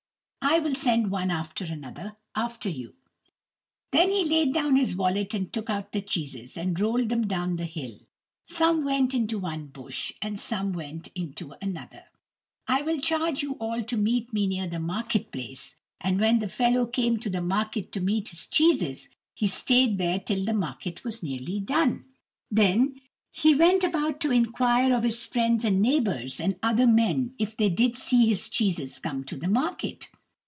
I will send one after another after you." Then he laid down his wallet and took out the cheeses, and rolled them down the hill. Some went into one bush; and some went into another. "I charge you all to meet me near the market place;" and when the fellow came to the market to meet his cheeses, he stayed there till the market was nearly done. Then he went about to inquire of his friends and neighbours, and other men, if they did see his cheeses come to the market.